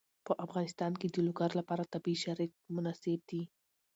په افغانستان کې د لوگر لپاره طبیعي شرایط مناسب دي.